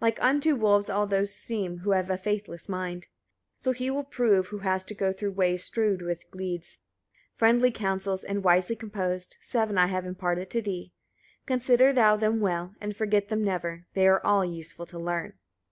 31. Like unto wolves all those seem who have a faithless mind: so he will prove who has to go through ways strewed with gleeds. 32. Friendly counsels, and wisely composed, seven I have imparted to thee: consider thou them well, and forget them never: they are all useful to learn.